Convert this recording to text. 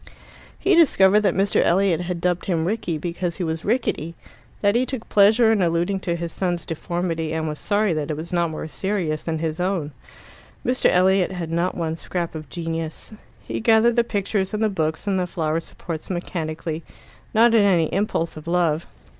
He discovered that Mr. Elliot had dubbed him Rickie because he was rickety, that he took pleasure in alluding to his son's deformity, and was sorry that it was not more serious than his own. Mr. Elliot had not one scrap of genius. He gathered the pictures and the books and the flower supports mechanically, not in any impulse of love.